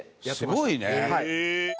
すごいね。